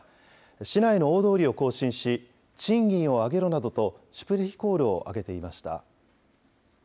市内の大通りを行進し、賃金を上げろなどとシュプレヒコールを上げていました。